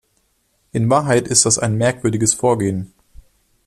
In Wahrheit ist das ein merkwürdiges Vorgehen!